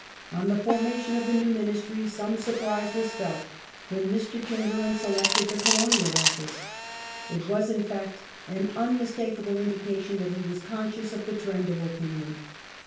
On the formation of the new Ministry some surprise was felt when Mr. Chamberlain selected the Colonial Office. It was, in fact, an unmistakable indication that he was conscious of the trend of opinion.